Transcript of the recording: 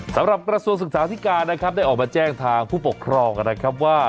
สำหรับกระทรวงศึกษาธิการได้ออกมาแจ้งทางผู้ปกครองว่า